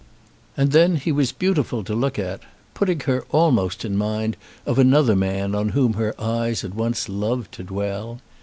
And then he was beautiful to look at, putting her almost in mind of another man on whom her eyes had once loved to dwell.